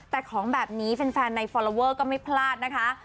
แต่ของแบบนี้แฟนในฟอลลอเวอร์ก็ไม่พลาดนะคะ